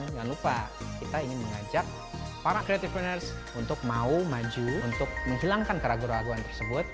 jangan lupa kita ingin mengajak para creative partners untuk mau maju untuk menghilangkan keraguan keraguan tersebut